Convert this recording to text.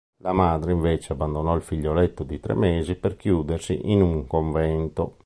La madre invece abbandonò il figlioletto di tre mesi per chiudersi in un convento.